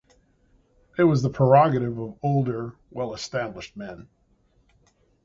It was the prerogative of older, well-established men.